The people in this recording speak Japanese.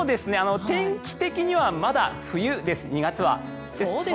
天気的にはまだ冬です、２月は。